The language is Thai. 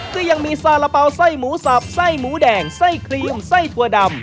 ก็ยังมีซาระเป๋าไส้หมูสับไส้หมูแดงไส้ครีมไส้ถั่วดำ